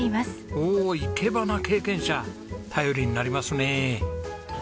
おお生け花経験者頼りになりますね。